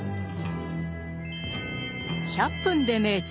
「１００分ｄｅ名著」